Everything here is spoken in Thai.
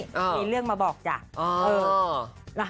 มีเรื่องมาบอกจ้ะ